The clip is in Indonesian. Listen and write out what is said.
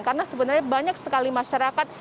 karena sebenarnya banyak sekali masyarakat